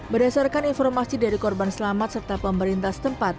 berdasarkan informasi dari korban selamat serta pemerintah setempat